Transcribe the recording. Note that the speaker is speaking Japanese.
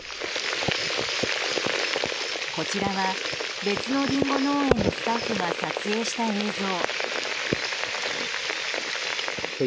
こちらは、別のリンゴ農園のスタッフが撮影した映像。